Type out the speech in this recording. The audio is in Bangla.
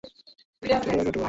তার ছোট ভাই রুয়েটে পড়ে।